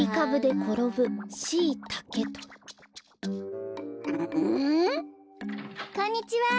こんにちは！